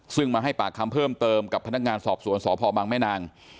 ซึ่งมาให้ปากคำเพิ่มเติมกับพนักงานสอบสวนสพบังแม่นาง